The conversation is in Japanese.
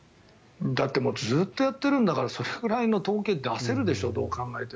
だってもうずっとやっているんだからそのぐらいの統計は出せるでしょ、どう考えても。